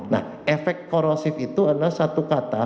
nah efek korosif itu adalah satu kata